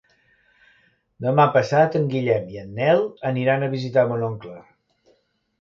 Demà passat en Guillem i en Nel aniran a visitar mon oncle.